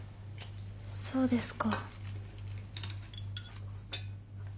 そうですか。